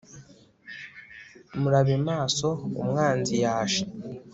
murabe maso umwanzi yaje